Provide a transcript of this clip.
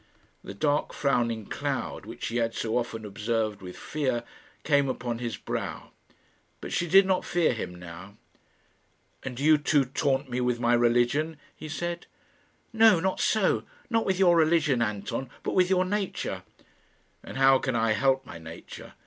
The dark frowning cloud, which she had so often observed with fear, came upon his brow; but she did not fear him now. "And do you too taunt me with my religion?" he said. "No, not so not with your religion, Anton; but with your nature." "And how can I help my nature?"